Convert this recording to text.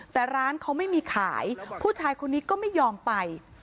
แต่ร้านเขาไม่มีขายผู้ชายคนนี้ก็ไม่ยอมไป